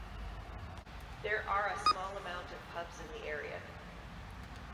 There are a small amount of pubs in the area.